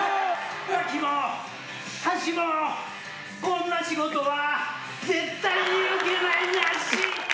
舟木も、橋も、こんな仕事は絶対に受けないなっしー！